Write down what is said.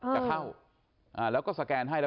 จะเข้าแล้วก็สแกนให้